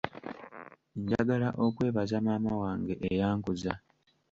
Njagala okwebaza maama wange eyankuza.